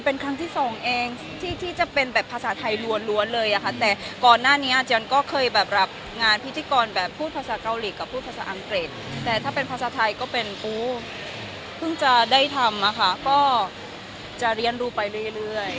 เป็นครั้งที่สองเองที่จะเป็นแบบภาษาไทยล้วนเลยอะค่ะแต่ก่อนหน้านี้อาเจียนก็เคยแบบรับงานพิธีกรแบบพูดภาษาเกาหลีกับพูดภาษาอังกฤษแต่ถ้าเป็นภาษาไทยก็เป็นปูเพิ่งจะได้ทำอะค่ะก็จะเรียนรู้ไปเรื่อย